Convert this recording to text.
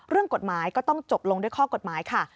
เรื่องกฎหมายก็ต้องจบลงด้วยข้อกฎหมายค่ะ